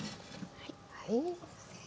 はい。